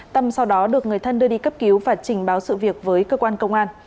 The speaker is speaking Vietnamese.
tâm sau đó được người thân đưa đi cấp cứu và trình báo sự việc với cơ quan công an